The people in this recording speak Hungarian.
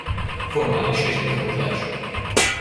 Formális tiltakozás.